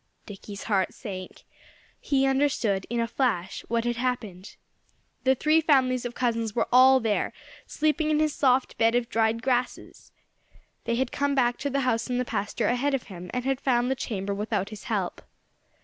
Dickie's heart sank. He understood, in a flash, what had happened. The three families of cousins were all there, sleeping in his soft bed of dried grasses! They had come back to the house in the pasture ahead of him, and had found the chamber without his help.